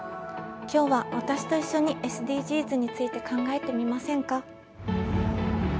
今日は私と一緒にＳＤＧｓについて考えてみませんか？